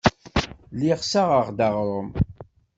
Lliɣ ssaɣeɣ-d aɣrum.